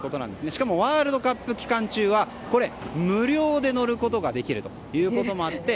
しかもワールドカップ期間中は無料で乗ることができるということもあって